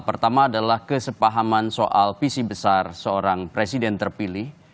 pertama adalah kesepahaman soal visi besar seorang presiden terpilih